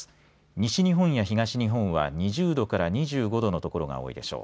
西日本や東日本は２０度から２５度の所が多いでしょう。